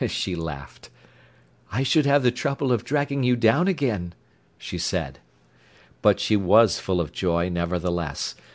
She laughed. "I should have the trouble of dragging you down again," she said. But she was full of joy, nevertheless.